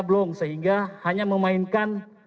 blong sehingga hanya memainkan